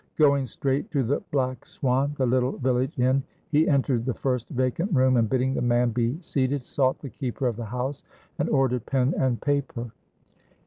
Going straight to the "Black Swan," the little village Inn, he entered the first vacant room, and bidding the man be seated, sought the keeper of the house, and ordered pen and paper.